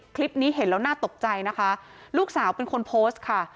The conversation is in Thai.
คลิปนี้เห็นแล้วน่าตกใจนะคะลูกสาวเป็นคนโพสต์ค่ะ